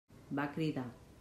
Va cridar.